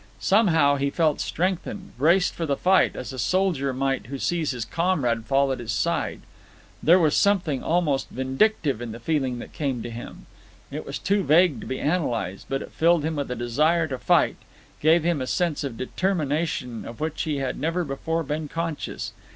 Somehow he felt strengthened, braced for the fight, as a soldier might who sees his comrade fall at his side. There was something almost vindictive in the feeling that came to him. It was too vague to be analysed, but it filled him with a desire to fight, gave him a sense of determination of which he had never before been conscious.